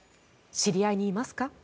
知り合いにいますか？